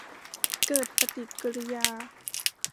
เกิดปฏิกิริยา